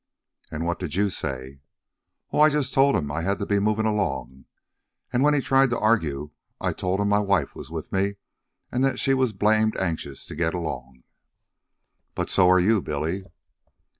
"And what did you say?" "Oh, I just told 'm I had to be movin' along. An' when he tried to argue I told 'm my wife was with me, an' she was blamed anxious to get along." "But so are you, Billy."